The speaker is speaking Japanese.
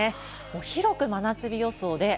広く真夏日予想です。